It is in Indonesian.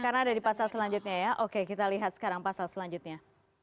karena ada di pasal selanjutnya ya oke kita lihat sekarang pasal selanjutnya